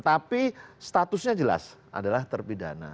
tapi statusnya jelas adalah terpidana